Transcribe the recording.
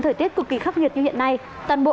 thời tiết cực kỳ khắc nghiệt như hiện nay toàn bộ